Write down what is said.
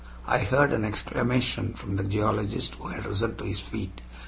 I heard an exclamation from the geologist, who had risen to his feet.